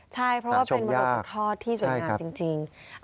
ใช่เพราะว่าเป็นมรดกตกทอดที่สวยงามจริง